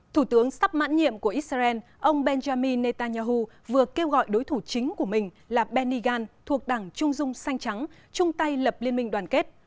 thủ tướng sắp mãn nhiệm của israel ông benjamin netanyahu vừa kêu gọi đối thủ chính của mình là benny gan thuộc đảng trung dung xanh trắng chung tay lập liên minh đoàn kết